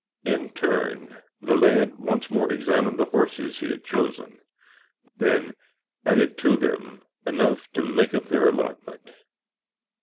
In turn the lad once more examined the horses he had chosen, then added to them enough to make up their allotment.